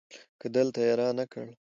که دلته يي رانه کړ